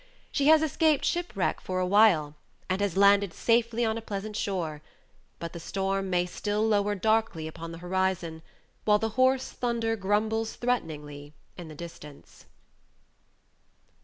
She has escaped ship wreck for a while, and has safely landed on a pleasant shore; but the storm may still lower darkly upon the horizon, while the hoarse thunder grumbles threateningly in the distance.